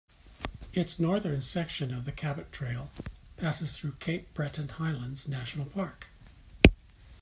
Its northern section of the Cabot Trail passes through Cape Breton Highlands National Park.